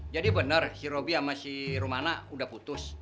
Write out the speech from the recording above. jadi bener si robi sama si rumana udah putus